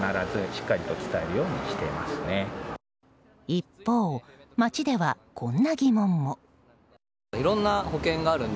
一方、街ではこんな疑問も。